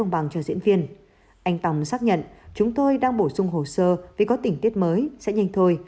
bằng cho diễn viên anh tòng xác nhận chúng tôi đang bổ sung hồ sơ vì có tỉnh tiết mới sẽ nhanh thôi